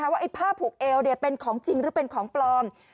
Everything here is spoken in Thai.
ว่าผ้าผูกเอวเป็นของจริงหรือเป็นของปลอม